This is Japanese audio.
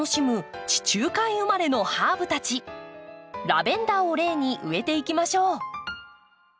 ラベンダーを例に植えていきましょう。